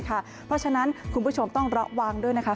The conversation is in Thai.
เพราะฉะนั้นคุณผู้ชมต้องระวังด้วยนะคะ